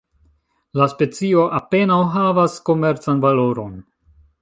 La specio apenaŭ havas komercan valoron.